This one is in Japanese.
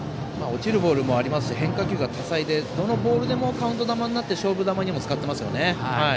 落ちるボールもありますし変化球が多彩でどのボールでもカウント球になって勝負球にも使ってますよね。